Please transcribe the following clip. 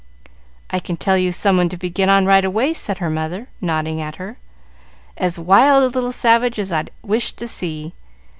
"I can tell you someone to begin on right away," said her mother, nodding at her. "As wild a little savage as I'd wish to see.